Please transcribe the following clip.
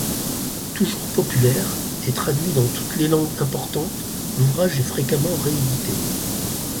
Toujours populaire, et traduit dans toutes les langues importantes, l’ouvrage est fréquemment réédité.